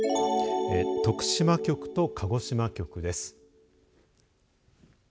徳島局と鹿児島局です。